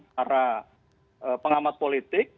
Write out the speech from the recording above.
para pengamat politik